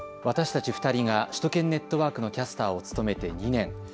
私たち２人が首都圏ネットワークのキャスターを務めて２年。